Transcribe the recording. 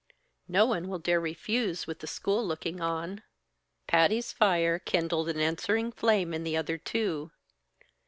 No one will dare refuse with the school looking on." Patty's fire kindled an answering flame in the other two.